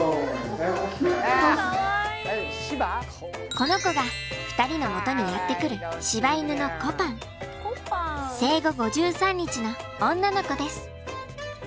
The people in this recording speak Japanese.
この子が２人のもとにやって来る生後５３日の女の子です。